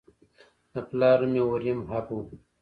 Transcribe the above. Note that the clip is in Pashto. د پلار نوم یې هوریم هب و.